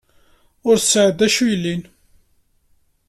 Ur tesɛiḍ d acu yellin.